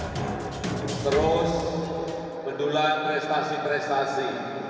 terus mendulang prestasi prestasi